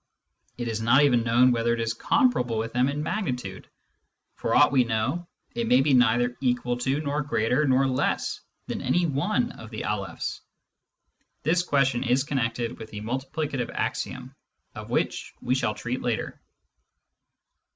It is not even known whether it is comparable with them in magnitude ; for aught we know, it may be neither equal to nor greater nor less than any one of the Alephs. This question is connected with the multiplicative axiom, of which we shall treat later.